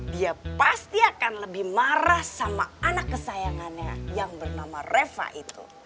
dia pasti akan lebih marah sama anak kesayangannya yang bernama reva itu